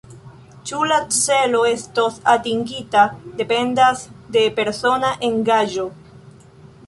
Ĉu la celo estos atingita, dependas de persona engaĝo.